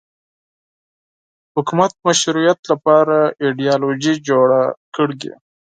حکومت مشروعیت لپاره ایدیالوژي جوړه کړي